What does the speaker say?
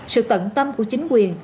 sự tận tâm của chính quyền